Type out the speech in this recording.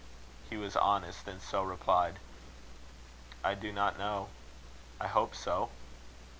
He was honest, and so replied: "I do not know. I hope so."